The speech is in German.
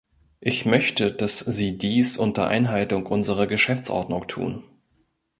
Ich möchte, dass Sie dies unter Einhaltung unserer Geschäftsordnung tun.